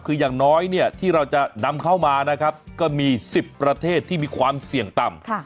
คือยังน้อยที่เราจะนำเข้ามาก็มี๑๐ประเทศที่มีความเสี่ยงต่ำ